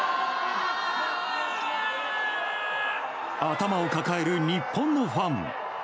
頭を抱える日本のファン。